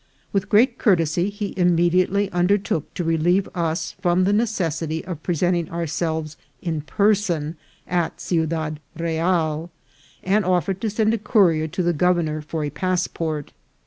With great courtesy he immediately undertook to relieve us from the necessity of presenting ourselves in person at Ciudad Real, and offered to send a courier to the governor for a passport.